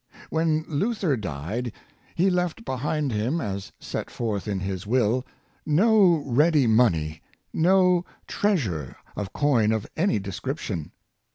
When Luther died, he left behind him, as set forth in his will, " no ready money, no treasure of coin of any description."